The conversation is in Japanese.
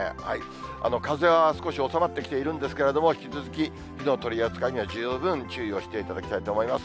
風は少し収まってきているんですけど、引き続き火の取り扱いには十分注意をしていただきたいと思います。